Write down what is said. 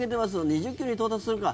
２０球に到達するか？